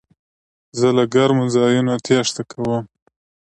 زه له ګرمو ځایونو تېښته کوم.